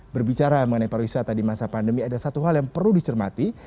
berbicara mengenai pariwisata di masa pandemi ada satu hal yang perlu dicermati